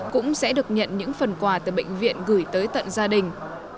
cũng sẽ được nhận những phần quà từ bệnh viện gửi tới tận gia đình